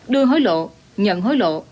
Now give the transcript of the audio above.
đưa hối lộ nhận hối lộ